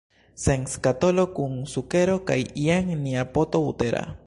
Jen skatolo kun sukero kaj jen nia poto butera.